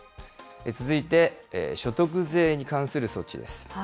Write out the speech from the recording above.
続いて所得税に関する措置です。